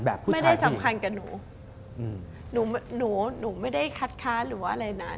ไม่ได้สำคัญกับหนูอืมหนูหนูไม่ได้คัดค้านหรือว่าอะไรนะ